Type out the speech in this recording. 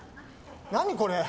何これ？